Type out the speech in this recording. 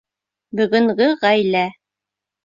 Бөгөнгө ғаилә.